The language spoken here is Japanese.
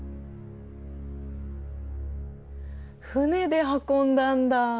船で運んだんだ。